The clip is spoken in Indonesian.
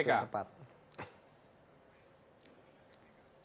ya sudah sampai di pimpinan kpk